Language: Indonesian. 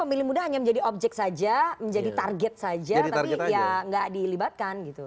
pemilih muda hanya menjadi objek saja menjadi target saja tapi ya nggak dilibatkan gitu